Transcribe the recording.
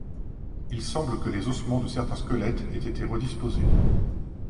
Il semble que les ossements de certains squelettes aient été redisposés.